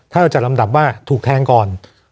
ถ้าเราจัดลำดับว่าถูกแทงก่อน